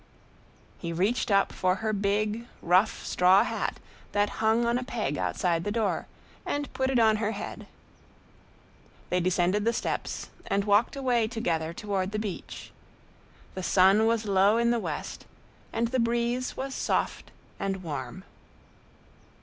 He reached up for her big, rough straw hat that hung on a peg outside the door, and put it on her head. They descended the steps, and walked away together toward the beach. The sun was low in the west and the breeze was soft and warm.